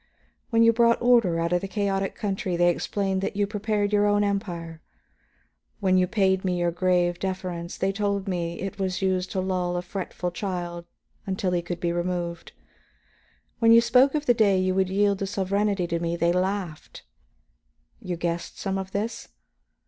When you brought order out of the chaotic country, they explained that you prepared your own Empire; when you paid me your grave deference, they told me it was used to lull a fretful child until he could be removed. When you spoke of the day you would yield the sovereignty to me, they laughed. You guessed some of this?